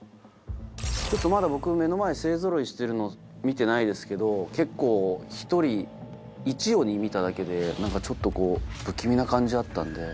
ちょっとまだ僕目の前勢ぞろいしてるの見てないですけど結構１人１鬼見ただけで何かちょっとこう不気味な感じあったんで。